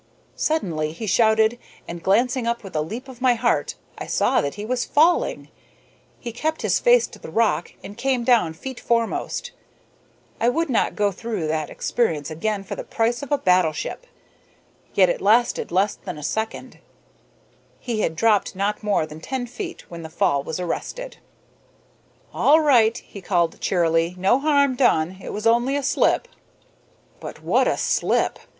Suddenly he shouted, and, glancing up with a leap of the heart, I saw that he was falling! He kept his face to the rock, and came down feet foremost. It would be useless to attempt any description of my feelings; I would not go through that experience again for the price of a battleship. Yet it lasted less than a second. He had dropped not more than ten feet when the fall was arrested. "All right!" he called, cheerily. "No harm done! It was only a slip." But what a slip!